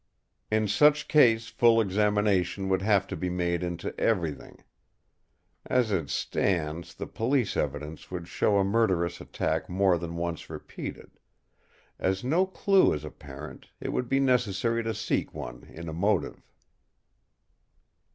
In such case full examination would have to be made into everything.... As it stands, the police evidence would show a murderous attack more than once repeated. As no clue is apparent, it would be necessary to seek one in a motive."